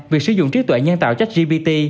việc sử dụng trí tuệ nhân tạo chách gbt